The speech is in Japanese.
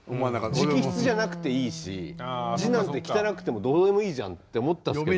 直筆じゃなくていいし字なんて汚くてもどうでもいいじゃんって思ってたんですけど。